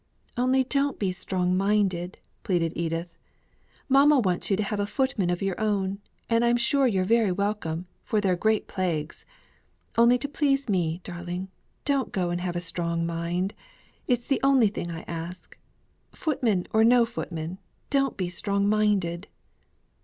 "Only don't be strong minded," pleaded Edith. "Mamma wants you to have a footman of your own; and I'm sure you're very welcome, for they're great plagues. Only to please me, darling, don't go and have a strong mind; it's the only thing I ask. Footman or no footman, don't be strong minded."